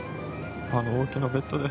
あの大きなベッドで。